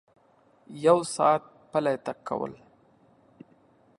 یو ساعت پلی تګ کول